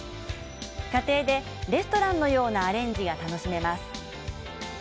家庭でレストランのようなアレンジが楽しめます。